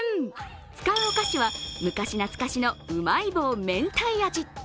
使うお菓子は、昔懐かしのうまい棒めんたい味。